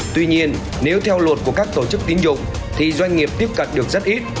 tuy nhiên nếu theo luật của các tổ chức tín dụng thì doanh nghiệp tiếp cận được rất ít